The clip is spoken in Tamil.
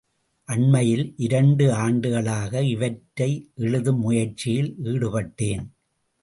அண்மையில் இரண்டு ஆண்டுகளாக இவற்றை எழுதும் முயற்சியில் ஈடுபட்டேன்.